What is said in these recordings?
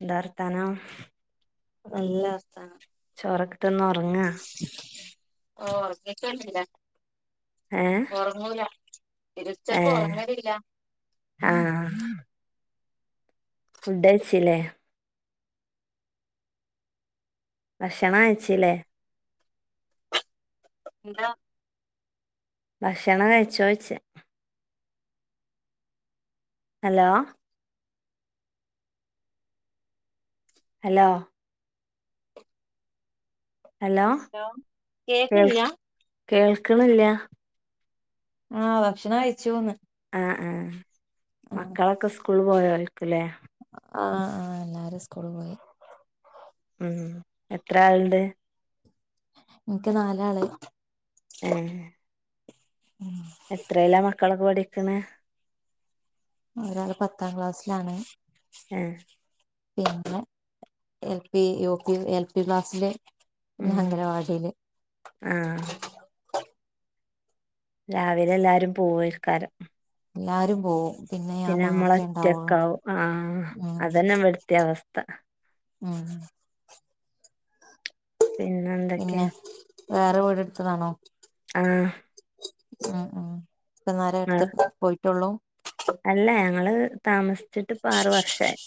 എന്താ വർത്താനം നല്ല വർത്താനം ചോറൊക്കെ തിന്ന് ഒർങ്ങാ ആഹ് ഒർങ്ങീട്ടൊന്നുല്ല ഏഹ് ഓർങ്ങൂല ഇരുച്ചക്ക് ഒർങ്ങലില്ല ആഹ് ഫുഡ്ഡയ്ച്ചിലേ ഭക്ഷണം കയ്ച്ചിലെ ഇല്ലാ ഭക്ഷണം കഴിച്ചോയ്ച്ചാ ഹലോ ഹലോ ഹലോ കേക്കില്ല കേൾക് കേൾക്ക്ണ്ല്ല ആഹ് ഭക്ഷണം കഴ്ച്ചൂന്ന് ആഹ് ആഹ് മക്കളൊക്കെ സ്കൂൾല് പോയോൽക്കുലേ ആഹ് ആഹ് എല്ലാരും സ്കൂള് പോയി ഉം എത്രാള്ണ്ട് ഇൻക് നാലാള് ഏഹ് ഉം എത്രെലാ മക്കളൊക്കെ പഠിക്ക്‌ണ് ഒരാള് പത്താം ക്ലാസ്സിലാണ് ഏഹ് പിന്നെ L P U പിം L P ക്ലാസ്സില് പിന്നെ ഉം അംഗലവാടീല് ആഹ് രാവിലെ എല്ലാരും പോവേൽക്കാരം എല്ലാരും പോവും ഞാൻ പിന്നെ മാത്രമേ ഉണ്ടാവുള്ളൂ നമ്മളൊറ്റക്കാവും ആഹ് അതന്നെ ഇവട്ത്തിം അവസ്ഥ മുവേ പിന്നെന് പിന്നെ വേറെ വീട് ഇട്ത്തതാണോ ആഹ് ഉം ഉം ഇപ്പന്നാരെ അട്ത്തട്ത്ത് പോയിട്ടൊള്ളൂ അല്ല ഞങ്ങള് താമസിച്ചിട്ട് ഇപ്പ ആറ് വർഷായി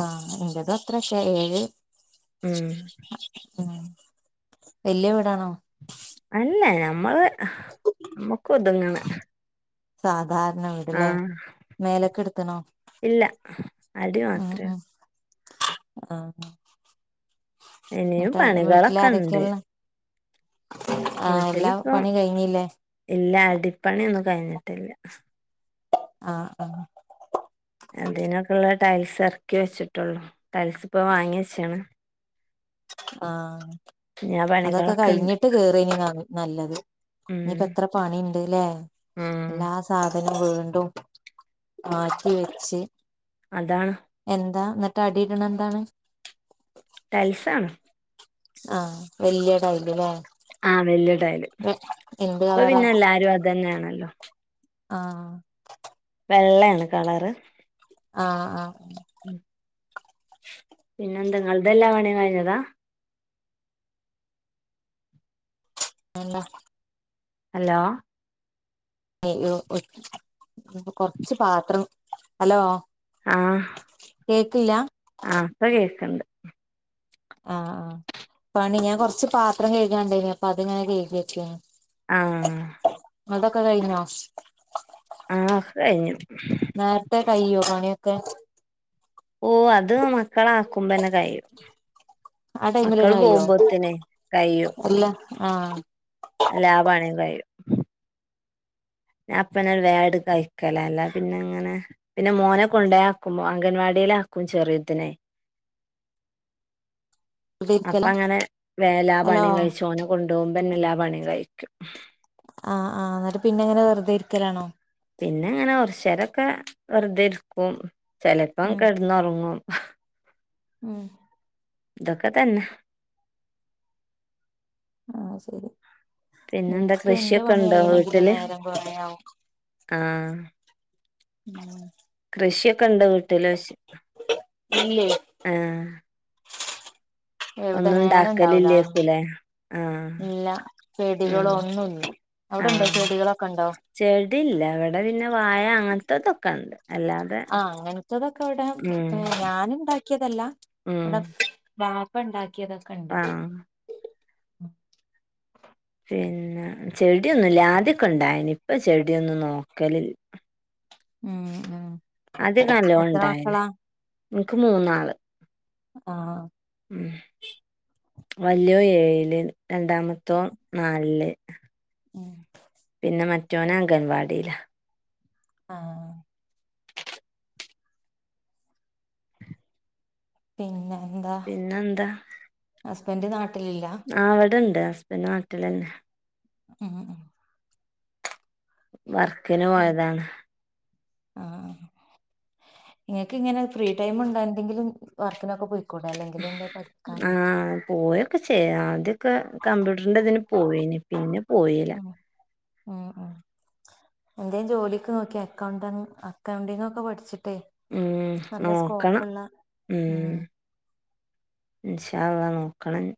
ആഹ് ന്റതും അത്രക്കെ ആയി ഏഴ് ഉം ഉം വല്ല്യ വീടാണോ അല്ല ഞമ്മള് ഞമ്മക്ക് ഒതുങ്ങ്ണെ സാധാരണ വീട്ലെ മേലക്ക്‌ട്ത്ത്ണോ ഇല്ല അടി മാത്രേ ൾ ആഹ് [inaudible] ഇനിയും ന്നട്ട് അവ്ടെ. വീട്ടില് പണികളൊക്കെ ആരൊക്കെള്ളെ വീട്ടില് പ്പം പണി കഴിഞ്ഞില്ലേ ഇല്ലാ അടിപ്പണിഒന്നും കഴ്ഞ്ഞ്ട്ടില്ല ആഹ് അതിനൊക്കെള്ള ടൈൽസ് എറ്ക്കി വെച്ചിട്ടൊള്ളൂ ടൈൽസ് ഇപ്പൊ വാങ്ങി വെച്ച്ണ് ആഹ് ഇനി ആ അതൊക്കെ പണികളൊക്കെ ഉണ്ട് കയ്ഞ്ഞിട്ട് കേറേനി ന്ന നല്ലത് ഉം ഇഞ്പ്പത്ര പണിണ്ട് ലെ ഉം എല്ലാ സ് സാധനം വീണ്ടും മാറ്റിവെച്ച് അതാണ് എന്താ ന്നട്ട് അടിടണ് ന്താണ് ടൈൽസാണ് ആഹ് വല്ല്യ ടൈയ്ല് ലേ ആഹ് വല്യ ടൈല് പ്പ കളറാ പിന്നെ എല്ലാരും അതെന്നേണല്ലോ ആഹ് വെള്ളെണ് കളറ് ആഹ് ആഹ് പിന്നെന്താ ങ്ങൾതെല്ലാ പണിം കയ്ഞ്ഞതാ ഹ് ല്ല ഹലോ അയ്യോ ഒച്ച് കൊർച് പാത്രം ഹലോ ആഹ് കേക്ക്ല്ല ആഹ് പ്പ കേക്ക്‌ണ്ട് ആഹ് ആഹ് പണി ഞാ കൊർ ച്ച് പാത്രം കെഴ്കാണ്ടയിനി അപ്പ അത്ങ്ങനെ കെയ്കി വച്ച് ആഹ് ങ്ങൾതൊക്കെ കയ്ഞ്ഞോ ആഹ് ഒക്കെ കയ്ഞ്ഞു നേര്ത്തെ കയ്യോ പണിയൊക്കെ ഓഹ് അത് മക്കള ആക്കുമ്പോന്നെ കഴിയും ആ മക്കള് ടൈമിലെന്നെ കയ്യോ പോകുമ്പോത്തിനെ കയ്യു അല്ല ആഹ് എല്ലാ പണിം കയും ഞ അപ്പന്ന ഒരു വാട് കഴിക്കല അല്ല പിന്നെ അങ്ങനെ പിന്നെ മോനെ കൊണ്ടയാക്കുമ്പോ അംഗൻവാടിയില ആക്കും ചെറിയതിനെ വെറുതെ അപ്പ ഇരിക്കലാ അങ്ങനെ വേല ഹലോ പണിയും കഴിച്ചോന കൊണ്ടോവുമ്പന്നെ എല്ലാ പണി കഴിക്കും ആഹ് ആഹ് ന്നട്ട് പിന്നെ ങ്ങനെ വെറ്തെ ഇര്ക്കലാണോ പിന്നെ ഇങ്ങനെ ഒർച്ചരൊക്കെ വെറുതെ ഇരിക്കും ചിലപ്പോം ഉം കിടന്നുറങ്ങും ഉം തൊക്കെ തന്നെ ആഹ് ശരി പിന്നെന്താ ഇൻക്ക് ന്റെ കൃഷിയൊക്കെ പണി ഉണ്ടോ കയ്യണെങ്കിൽ വീട്ടില് നേരം കൊറേയാവും ആഹ് ഉം കൃഷിയൊക്കെ ഉണ്ട് വീട്ട്ലോയ്ച്ച ഇല്ലേ ആഹ് എവിടെ ഒന്നും നേരണ്ടാവ് ല ഉണ്ടാക്കലില്ലേക്കൂലേ ആഹ് ഇല്ല ഉം ചെടികളൊന്നില്ല അവിടെണ്ടോ ആഹ് ചെടികളൊക്കെണ്ടോ ചെടില്ല അവിടെ പിന്നെ വായ അങ്ങൻത്തെതൊക്കെണ്ട് ആഹ് അങ്ങൻത്തതൊക്കെ ഇവിടെ ഉം ഞാന്ണ്ടാക്കിയതല്ല ഉം ഇവിടെ വാപ്പ ണ്ടാക്കിയതൊക്കെ ആഹ് പിന്നെ ചെടിയൊന്നുല്ല ആദ്യൊക്കെ ഇണ്ടായിനി ഇപ്പ ചെടിയൊന്നും നോക്കല് ഉം ഉം ആദ്യകല്ലോം എത്ര ഉണ്ടായിനി മക്കളാ ഇൻക്ക് മൂന്നാള് ആഹ് ഉം വല്യോ ഏഴില് രണ്ടാമത്തോ നാലില് ഉം പിന്നെ മറ്റോന അംഗൻവാടിയില ആഹ് പിന്നെ എന്താ, പിന്നെന്താ ഹസ്ബൻഡ് നാട്ടിലില്ല ആഹ് ഇവിടെണ്ട് ഹസ്ബൻഡറ് നാട്ടിലന്നെ ഉം ഉ വർക്കിന് ഉം പോയതാണ് ആഹ് അഹ് ഇങ്ങൾക്ക് ഇങ്ങനെ ഫ്രീ ടൈം ഉണ്ടോ എന്തെങ്കിലും വർക്കിനൊക്കെ പോയിക്കൂടെ, അല്ലെങ്കിൽ എന്താ പഠിക്കാനോ? ആഹ് പോയൊക്കെ ചെയ്യ, ആദ്യൊക്കെ കമ്പ്യൂട്ടറിന്റെ ഇതിന് പോയിന് പിന്നെ പോയില ഉം ഉം എന്തേം ജോലിക്ക് നോക്കി അക്കൗണ്ടന്റ് അക്കൗണ്ടിങ്ങ ക്കെ പഠിച്ചിട്ടേ ഉം നല്ല നോക്കണം സ്കോപ്പുള്ള ഉം ഇന്ഷാ അല്ലാഹ് നോക്കണം ഞ്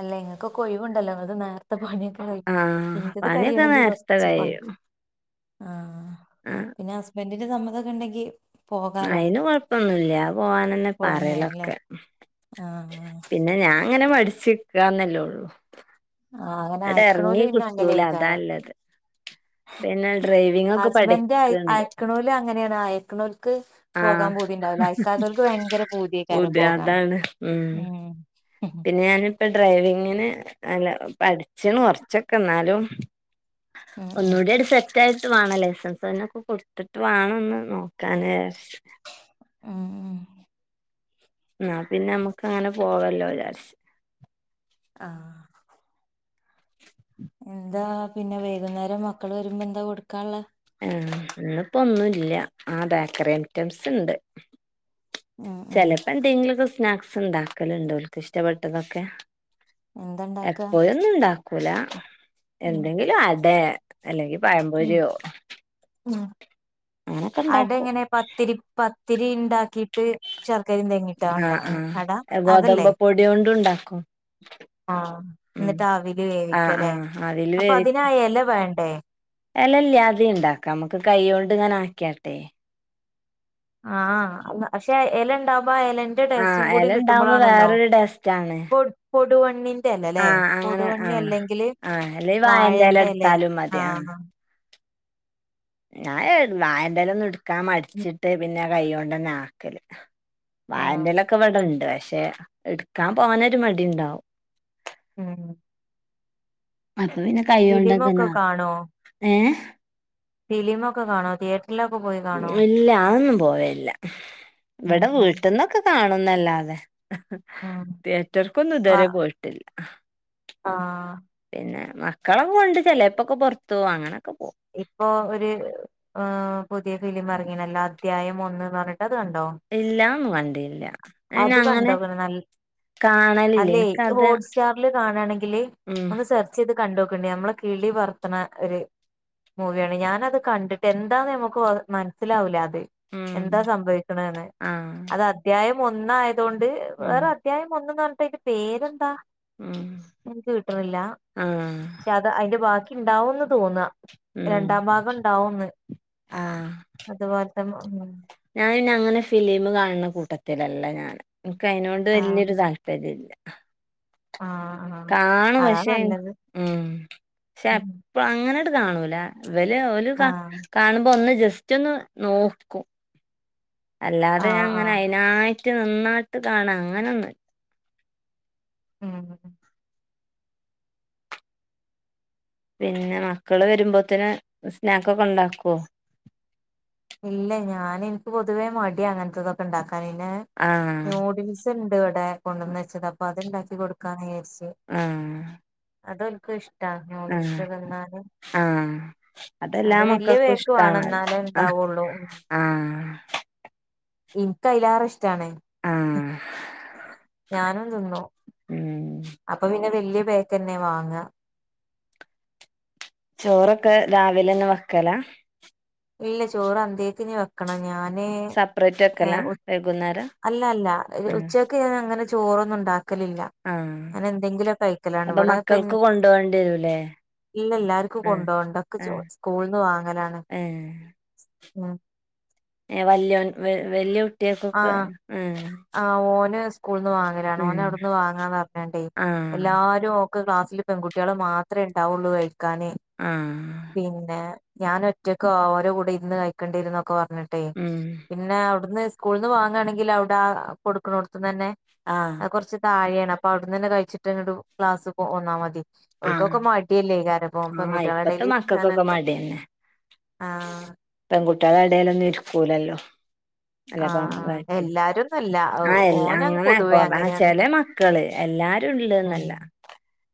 അല്ല ഇങ്ങൾക്ക് ഒക്കെ ഒ ഴിവുണ്ടല്ലോ അത് നേ ര്ത്തെ പണിയൊക്കെ കഴി, ആഹ് ന്റെത് പണിയൊക്കെ കഴിയണെങ്കിൽ നേരത്തെ കൊറച്ച് പണി കഴിയും ആഹ് ആഹ് പിന്നെ ഹസ്ബൻറിന്റെ സമ്മതൊക്കെ ഉണ്ടെങ്കി പോകാലോ അയിന് കൊഴപ്പൊന്നുല്ല അത് പോവാനന്നെ പോകുന്നതിനല്ലേ പറയലൊക്കെ പി ആ പിന്നെ ഞാൻ ഇങ്ങനെ മടിച്ച് ക്കന്നല്ലേ ഉള്ളൂ ആഹ് അങ്ങനെ ഇങ്ങട് അയക്കണോലു എറങ്ങി പിന്നെ കിട്ടൂല അങ്ങനെയിക്കാരം അതാല്ലത് പിന്നെ ഡ്രൈവിംഗ് ഒക്കെ ഹസ്ബൻന്റെ പഠിക്ക്ണ്ട് അയക്ക്ണോല് അങ്ങനെയാണ്, അയക്കണോല്ക്ക് ആഹ് പോകാൻ പൂതിണ്ടാവൂല, അയക്കാത്തോൽക്ക് ഭയങ്കര പൂതിയേക്കാരും പുതിയ പോകാൻ അതാണ് ഉം ഉം ഞാനിപ്പ ഡ്രൈവിങ്ങിന് അല്ല പഠിച്ചണ് കൊറച്ചൊക്കെ എന്നാലും ഉം ഒന്നൂടി അണ്ട് സെ റ്റായിട്ട് വാണം, ലൈസൻസ് നൊക്കെ കൊടുത്തിട്ട് വേണംന്ന് നോക്കാന് ഉം ഉം ന്നാ പിന്നെ നമ്മുക്ക് അങ്ങനെ പോവല്ലോ വിചാരിച്ച് ആഹ് എന്താ പിന്നെ വൈകുന്നേരം മക്കൾ വരുമ്പോ എന്താ കൊടുക്കാള്ളെ? ആ ഇന്ന് ഇപ്പോ ഒന്നുല്ല ആ ബേക്കറി ഐറ്റംസ് ഉണ്ട്. ഉം ഉം ചെലപ്പോ എന്തെങ്കിലൊക്കെ സ്നാക്സ് ഇണ്ടാക്കല്ണ്ട്, ഓൽക് ഇഷ്ടപ്പെട്ടതൊക്കെ. എന്താ ഇണ്ടാക്കാ എപ്പോഴൊന്നും ഇണ്ടാക്കൂല ഉം എന്തെങ്കിലും അടെ അല്ലെങ്കിൽ ഉം പഴമ്പൊരിയോ ഉം ഉണ്ടാക്കും അടെങ്ങനെ പത്തിരി പ പത്തിരി ഇണ്ടാക്കിയിട്ട് ശർക്കരയും തേങ്ങിയി ആഹ് ആഹ് ഗോതമ്പ പൊടി യോണ്ടും ണ്ടാക്കും. ആഹ് ന്നിട്ട് ആവിയില് ആഹ് വേവിക്കലേ, ആഹ് അവില് അപ്പൊ വേവി അതിനാ എല വേണ്ടേ? എല ഇല്ലാതിം ഇണ്ടാക്കാം, നമുക്ക് കൈയൊണ്ട്ങ്ങനെ ആക്കിയാട്ടെ ആഹ് പക്ഷെ എലണ്ടാവുമ്പ ആ എലന് ന്റെ ടേസ്റ്റും ആഹ് കൂടെ എലണ്ടാവുമ്പോ കിട്ടുമ്പളാണല്ലോ വേറൊരു ടേസ്റ്റാണ്. പൊടു പൊടുവണ്ണി. എലലെ, ആഹ് അങ്ങനെ പൊടുവണ്ണി ആഹ് അല്ലെങ്കില് ആഹ് അല്ലെ വായന്റെല വാഴന്റെ എലേ എടുത്താലും മതി ആഹ് ഹ ഞ എ വായന്റെല ഒന്നും ഇടുക്കാൻ മടിച്ചിട്ട് പിന്നെ കൈയോണ്ടന്നെ ആക്കല്. ആഹ് വായന്റലൊക്കെ ഇവിടണ്, ട് പക്ഷെ ഇടുക്കാൻ പോവാനൊരു മടി ഇണ്ടാവും. ഉം അപ്പൊ പിന്നെ കൈയോണ്ടക്കന്നെ ഫിലിമൊക്കെ ആകും കാണോ ഏഹ് ഫിലിമൊക്കെ കാണോ തിയേറ്റ റ്ററിലൊകെ പോയി കാണോ ഇല്ല അതൊന്നും പോവേല്ല്ല, ഉം ഇവിടെ ഉം വീട്ട്ന്നൊക്കെ കാണുന്നല്ലാതെ. ഉം തിയേറ്റർക്കൊന്നും ഇതുവരെ പോയിട്ടില്ല. ആഹ് പിന്നെ മക്കളൊക്കെ കൊണ്ട് ചെലേപ്പൊക്കെ പൊറത്തു പോവും അങ്ങനെയൊക്കെ പോകും. ഇപ്പോ ഒരു പുതിയ ഫിലിം ഇറങ്ങീണല്ലോ അധ്യായം ഒന്ന്ന്ന് പറഞ്ഞിട്ട് അത് കണ്ടോ? ഇല്ല അതൊന്നും കണ്ടില്ല പിന്നെ അങ്ങനെ. കാണലില്ല അല്ലെ എനിക്കത് ഹോട്ട്സ്റ്റാറില് കാണാണെങ്കില് ഒന്ന് സെ ർച്ച് ചെയ്ത് കണ്ടോക്കേണ്ടി നമ്മളെ കിളി പർത്ത്ണ ഒരു. ഒരു മൂവിയാണ് ഞാനത് കണ്ടിട്ട് എന്താന്ന് നമുക്ക് മനസ്സിലാവൂല അത്. എന്താ സംഭവിക്ക്ണേന്ന് ആ! അത് അദ്ധ്യായം ഒന്നായതൊണ്ട് വേറെ അധ്യായം ഒന്ന് പറഞ്ഞിട്ട് അതിന്റെ പേരെന്താ എനിക്ക് കിട്ട്ണില്ല. ആ! പക്ഷെ അത് അതിന്റെ ബാക്കി ഇണ്ടാവുംന്ന് തോന്നാ. രണ്ടാം ഭാഗം ഉണ്ടാവുംന്ന് ആ! അതുപോലത്തെ. ഞൻ അങ്ങനെ ഫിലിം കാണണ കൂട്ടത്തിലല്ല ഞാൻ എനിക്ക് അതിനോട് ആഹ് വലിയൊരു താല്പര്യല്ല. ആഹ് ആഹ് കാണും അതാ പക്ഷേ നല്ലത് ഉം അങ്ങനെ ങ്ങട്ട് കാണൂല ഇവല് ഓല് കാ ആഹ് കാണുമ്പോ ഒന്ന് ജസ്റ്റ് ഒന്ന് നോക്കും അല്ലാതെ ഞാൻ ആഹ് അങ്ങനെ ആഹ് അതിനായിട്ട്. ട്ട് നിന്നിട്ട് കാണാ അങ്ങനെ ഒന്നും ഇല്ല. ഉം പിന്നെ മക്കള് വരുമ്പോത്തിന് സ്നാക്ക് ഒക്കെ ഇണ്ടാക്കുവോ? ഇലെയ് ഞാൻ എനിക്ക് പൊതുവേ മടിയാ അങ്ങനത്തതൊക്കെ ഇണ്ടാക്കാന്. ആഹ് ഇത് ഇണ്ട് ഇവിടെ കൊണ്ടുവന്ന് വെച്ചത് അപ്പൊ അത്ണ്ടാക്കി കൊടുക്കാന്ന് വിചാരിച്ച്. ആഹ് അതൊൽക്ക് ഇഷ്ട. തങ്ങോലിച്ചത് എന്നാലും ആ! അതെല്ലാ അത് വലിയ മക്കൾക്കും പേക്ക് വാണം ഇഷ്ടാണ് ന്നാലും ണ്ടവുള്ളൂ ആഹ് ഇൻക്ക് ആയിലെറേ ഇഷ് ഇഷ്ട്ടണ് ആഹ് ഞാനും തിന്നും ഉം അപ്പൊ പിന്നെ വലിയ പേക്ക് ന്നെ വാങ്ങ ചോറൊക്കെ രാവിലെന്ന വെക്കലാ ഇല്ല ചോറ് അന്തേക്ക വെ വെക്കണമ് ഞാൻ, സെപ്പറേറ്റ് വെക്കലാ വൈകുന്നേരം അല്ല അല്ല ആഹ് ഉച്ചക്ക് ഇപ്പം അങ്ങനെ ചോറന്ന ഉണ്ടാക്ക കഴിക്കലില്ല ആഹ് അങ്ങനെ എന്തെങ്കിലും കഴിക്കലാണ് അപ്പൊ ഇവിടെ പി മക്കൾക്ക് കൊണ്ടോവണ്ടി വരൂലേ ഇല്ല എല്ലാർക്കും ആഹ് കൊണ്ടപോണ്ടൊക്കെ ആഹ് സ്കൂളന്ന് വാങ്ങലാണ് ഏഹ് ഉം ഏ വല്ലേൻ വല്യിയ കുട്ടിയക്കൊക്കെ ആഹ് ആഹ് ആഹ് ഓന് സ്കൂളിൽ നിന്ന് വാങ്ങലാണ് ഓന ഉം അവിടുന്ന് വാങ്ങാന്ന് പറഞ്ഞണ്ടേ ആഹ് എല്ലാരും ക്ലാസ്സില് പെൺകുട്ട്യൾ മാത്രമേ ഉണ്ടാവുള്ളു കഴിക്കാന് ആഹ് പിന്നെ ഞാൻ ഒറ്റക്ക് ഓരോ കൂടെ ഇരുന്ന് കഴക്കേണ്ടിരുന്നൊക്കെ പറഞ്ഞിട്ടെ ഉം പിന്നെ അവിടുന്ന് സ്കൂളന്ന് വാങ്ങാണെങ്കിൽ അവിടെ കൊടുക്ക്ണോത്ത്ന്നെ ആഹ് കുറച്ച് താഴെയാണ് അപ്പൊ അവിടുന്ന്ന്നെ കഴിച്ചിട്ട് ങ്ങട്ട് ക്ലാസ് പോന്നാ മതി ആഹ് ഒക്കൊക്കെ മടിയല്ലേഈ കാരം ഓം ആഹ് പെണ്ണ്കുട്ടിളെ ഇപ്പത്തെ എടയിൽ മക്കക്കൊക്കെ മടിന്നെ ആഹ് പെൺകുട്ടികളെ എടലൊന്നും ഇരിക്കൂലല്ലോ അല്ലെപ്പോ ആഹ് ആഹ് എല്ലാരുംന്നല്ല അ ഓനങ്ങ് അങ്ങനെ പൊതുവേ കൊറ അങ്ങനെയാണ് ചെലേ മ മക്കള് എല്ലാരും ഇള്ള എന്നല്ല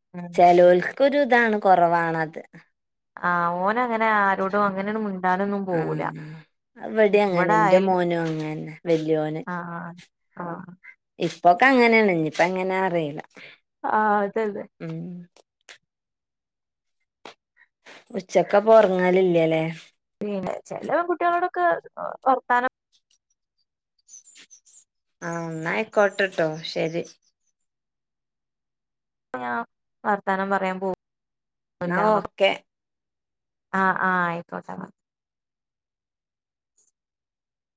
ആഹ് ഒരു ഇതാണ് കുറവാണത് ആഹ് ഓനങ്ങനെ ആരോടും അങ്ങനെയ ആഹ അവിടെ അങ്ങനെ ഇവിടെ എന്റെ അയൽ മോനും അങ്ങന്നെ വല്യോന് ആഹ ഇപ്പൊക്കെ അങ്ങനെയാണ് ഇനി ഇപ്പ എങ്ങനെ അറിയില്ല ആഹ അതെന്നെ ഉം ഉച്ചക്കെ പോറങ്ങാലില്ലല്ലേ പിന്നെ ചേലെ പെൺകുട്ടികളോടൊക്കെ വർത്താനം ആഹ ന്നായി കൊട്ടട്ടോ ശരി അ ഞാ വർത്താനം പറയാൻ പോകു ല്ല എന്നാ ഓക്കെ ആഹ് ആഹ് ആയിക്കോട്ടെ എന്ന